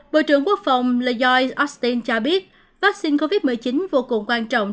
bộ trưởng quốc phòng lay austin cho biết vaccine covid một mươi chín vô cùng quan trọng